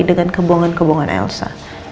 dengan kebohongan kebohongan elsa